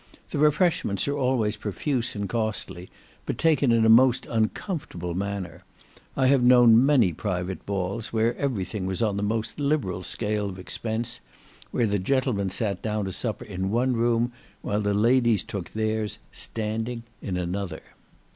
The refreshments are always profuse and costly, but taken in a most uncomfortable manner. I have known many private balls, where every thing was on the most liberal scale of expense, where the gentlemen sat down to supper in one room, while the ladies took theirs, standing, in another.